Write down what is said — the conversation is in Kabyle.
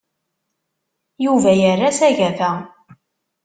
Yuba yerra s agafa.